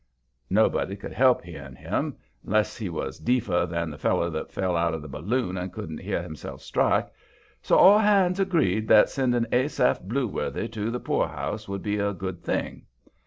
Nobody could help hearing him, unless they was deefer than the feller that fell out of the balloon and couldn't hear himself strike, so all hands agreed that sending Asaph Blueworthy to the poorhouse would be a good thing.